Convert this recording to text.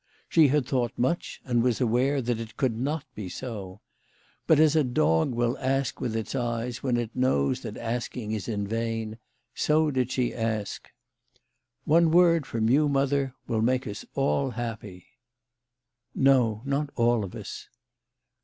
She had thought much, and was aware that it could not be so. But as a dog will ask with its eyes when it knows that asking is in vain, so did she ask. " One word from you, mother, will make us all happy. "" No ; not all of us."